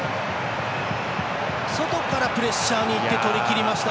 外からプレッシャーにいって、とりきりました。